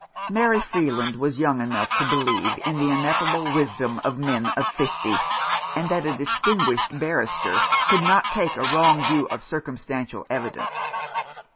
Mary Freeland was young enough to believe in the ineffable wisdom of men of fifty, and that a distinguished barrister could not take a wrong view of circumstantial evidence.